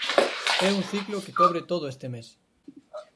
"É un ciclo que cobre todo este mes".